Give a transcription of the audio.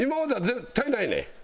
絶対ない？